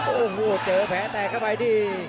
โอ้โหเจอแผลแตกเข้าไปที่